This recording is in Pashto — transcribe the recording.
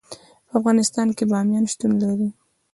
په افغانستان کې بامیان شتون لري.